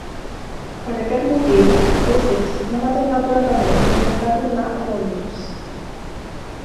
Per aquest motiu, Essex no va tenir altre remei que intentar tornar a Londres.